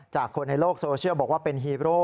คนในโลกโซเชียลบอกว่าเป็นฮีโร่